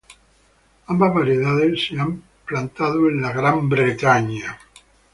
Ambas variedades han sido plantadas en la Gran Bretaña y var.